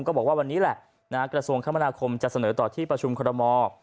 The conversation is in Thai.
ก็บอกว่าวันนี้แหละกระทรวงคมนาคมจะเสนอต่อที่ประชุมคอรมอล